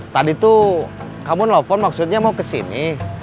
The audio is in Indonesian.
tadi tuh kamu nelfon maksudnya mau kesini